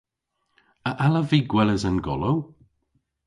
A allav vy gweles an golow?